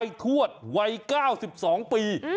ยายทวดวัย๙๒ปี